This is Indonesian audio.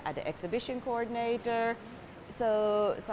ada koordinator pembukaan